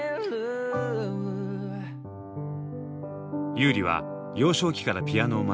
優里は幼少期からピアノを学び